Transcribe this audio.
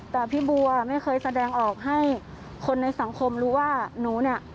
แต่พี่บัวไม่เคยแสดงออกให้คนในสังคมรู้ว่าหนูเนี่ย